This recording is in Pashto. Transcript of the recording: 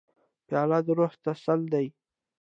پیاله د روح تسل ده.